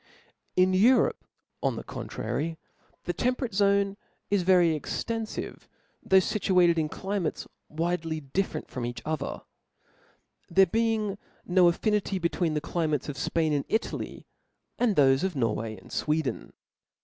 In Europe, on the contrary, t|ie temperate zone i^yery extenfiv^^though fituated \n climates widely different from each other ; there toeing no affinity between the climates of Spain and Itaiy, and thofe of Norway and Sweden.